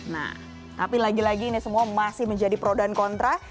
nah tapi lagi lagi ini semua masih menjadi pro dan kontra